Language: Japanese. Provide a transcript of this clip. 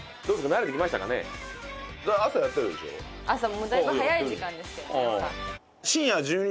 もうだいぶ早い時間ですけどね朝。